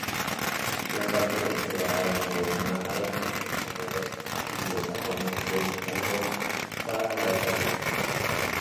La parte conservada del poema arranca con los guerreros anglosajones desmontando para la batalla.